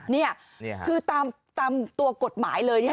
นี่คือตามตัวกฎหมายเลยเนี่ย